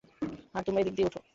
আর তোমরা এদিক দিয়ে ওঠো।